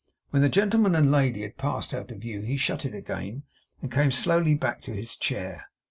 When the gentleman and lady had passed out of view, he shut it again, and came slowly back to his chair.